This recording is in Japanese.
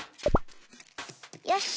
よし！